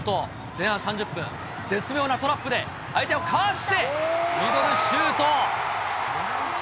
前半３０分、絶妙なトラップで、相手をかわして、ミドルシュート。